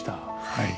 はい。